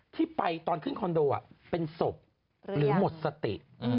ที่ไปตอนขึ้นคอนโดเป็นศพหรือหมดสติ